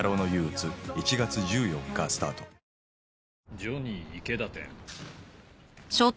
ジョニー池田店。